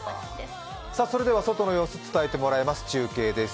それでは外の様子を伝えてもらいます、中継です。